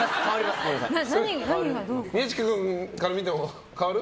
宮近君から見ても変わる？